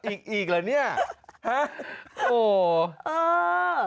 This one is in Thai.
อีกอีกเหรอเนี้ยฮะ